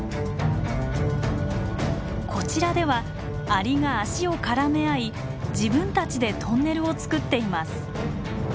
こちらではアリが脚を絡め合い自分たちでトンネルを作っています。